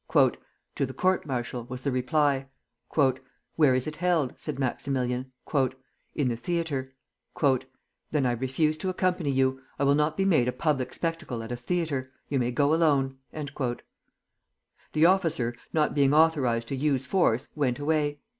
"To the court martial," was the reply. "Where is it held?" said Maximilian. "In the theatre." "Then I refuse to accompany you. I will not be made a public spectacle at a theatre. You may go alone." The officer, not being authorized to use force, went away.